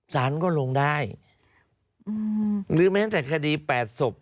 สารก็ลงได้หรือแม้แต่คดี๘ศพ